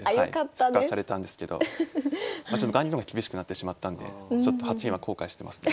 復活されたんですけど雁木の方が厳しくなってしまったんでちょっと後悔してますね。